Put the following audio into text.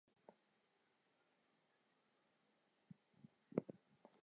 The procession was headed by the raft devoted to the tiger-spirits.